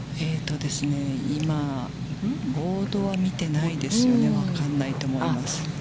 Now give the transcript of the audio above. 今、ボードは見てないですよね、分かんないと思います。